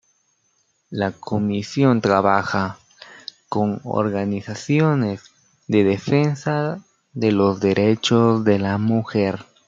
La comisión trabaja con organizaciones de defensa de los derechos de la mujer.